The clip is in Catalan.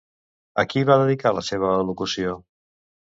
A qui va dedicar la seva al·locució?